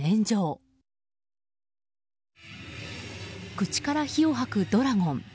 口から火を吐くドラゴン。